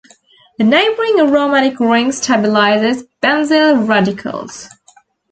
The neighboring aromatic ring stabilizes benzyl radicals.